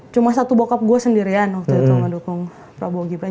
cuma satu bockup gue sendirian waktu itu mendukung prabowo gibran